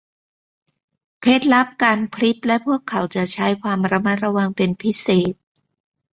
เคล็ดลับการพริบและพวกเขาจะใช้ความระมัดระวังเป็นพิเศษ